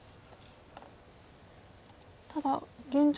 ただ現状